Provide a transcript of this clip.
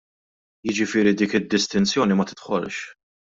Jiġifieri dik id-distinzjoni ma tidħolx.